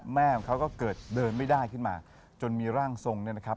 แม่ของเขาก็เกิดเดินไม่ได้ขึ้นมาจนมีร่างทรงเนี่ยนะครับ